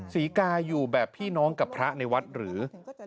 ศรีกาอยู่แบบพี่น้องกับพระในวัดหรือ